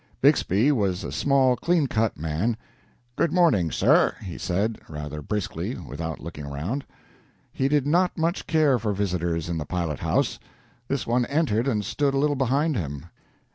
Bixby was a small, clean cut man. "Good morning, sir," he said, rather briskly, without looking around. He did not much care for visitors in the pilothouse. This one entered and stood a little behind him.